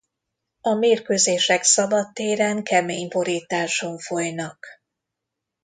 A mérkőzések szabadtéren kemény borításon folynak.